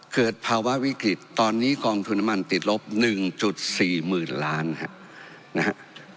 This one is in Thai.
เกิดภาวะวิกฤตตอนนี้กองทุนน้ำมันติดลบ๑๔๐๐๐ล้านนะฮะ